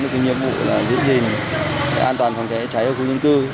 với nhiệm vụ diễn hình an toàn phòng cháy ở khu dân tư